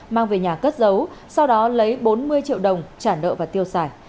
mang về nhà cất giấu sau đó lấy bốn mươi triệu đồng trả nợ và tiêu xài